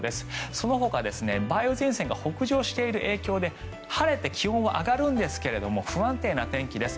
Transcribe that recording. そのほか梅雨前線が北上している影響で晴れて、気温は上がるんですが不安定な天気です。